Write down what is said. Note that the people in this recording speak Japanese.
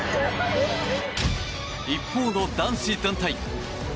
一方の男子団体。